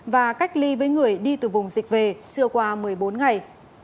và cách ly với người đi từ vùng dịch về trưa qua một mươi bốn ngày